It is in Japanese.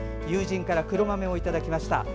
友人から黒豆をいただきました。